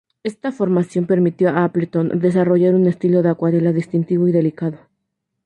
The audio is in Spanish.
Esta formación permitió a Appleton desarrollar un estilo de acuarela distintivo y delicado.